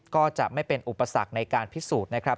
ก็จะไม่เป็นอุปสรรคในการพิสูจน์นะครับ